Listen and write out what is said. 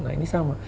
nah ini sama